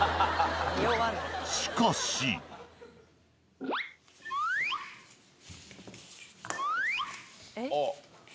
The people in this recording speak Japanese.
しかし。えっ？